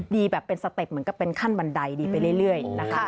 ดีแบบเป็นสเต็ปเหมือนกับเป็นขั้นบันไดดีไปเรื่อยนะคะ